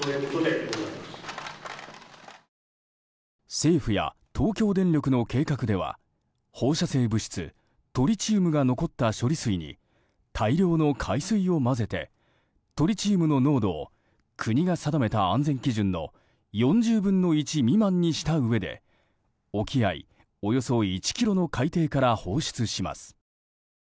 政府や東京電力の計画では放射性物質トリチウムが残った処理水に大量の海水を混ぜてトリチウムの濃度を国が定めた安全基準の４０分の１未満にしたうえで沖合およそ１ｋｍの海底から放出します。